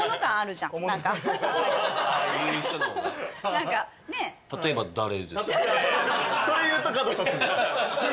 それ言うと角立つ。